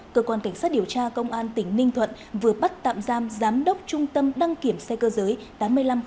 cơ quan cảnh sát điều tra công an tỉnh ninh thuận vừa bắt tạm giam giám đốc trung tâm đăng kiểm xe cơ giới tám nghìn năm trăm bảy mươi